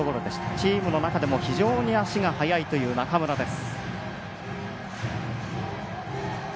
チームの中でも非常に足が速いという中村です。